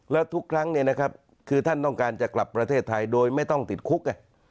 แล้วทุกครั้งเนี่ยนะครับคือท่านต้องการจะกลับประเทศไทยโดยไม่ต้องติดคุก